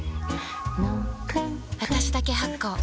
私だけ発香。